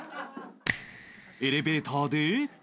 エレベーターで